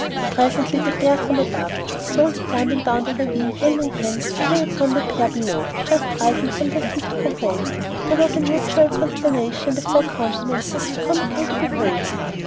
Presently the pair from above, slowly climbing down the ravine hand in hand, came upon the pair below, just rising from their seat to go home. There was a mutual consternation in the four countenances comical to behold.